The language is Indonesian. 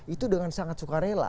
itu dengan sangat suka rela